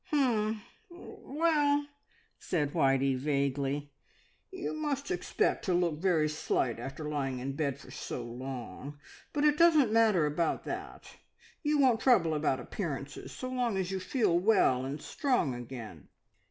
"Um! Well," said Whitey vaguely, "you must expect to look very slight after lying in bed for so long, but it doesn't matter about that. You won't trouble about appearances, so long as you feel well and strong again."